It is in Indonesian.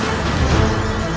pajajaran masih jauh